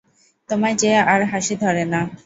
তোমার যে আর হাসি ধরে না।